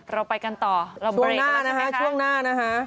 เราไปกันต่อเราเบรกแล้วใช่ไหมคะช่วงหน้านะฮะ